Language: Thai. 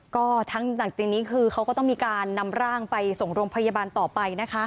ก็ทั้งจากจริงนี้คือเขาก็ต้องมีการนำร่างไปส่งโรงพยาบาลต่อไปนะคะ